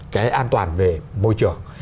cái an toàn về môi trường